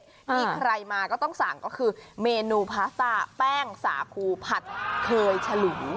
มีใครมาก็ต้องสั่งก็คือเมนูพาสต้าแป้งสาคูผัดเคยฉลู